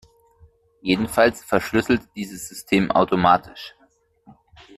Jedenfalls verschlüsselt dieses System automatisch.